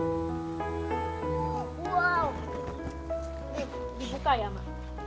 ini dibuka ya mak